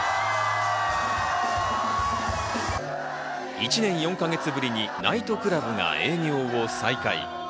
１年４か月ぶりにナイトクラブが営業を再開。